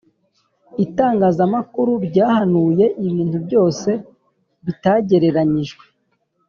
itangazamakuru ryahanuye ibintu byose bitagereranijwe.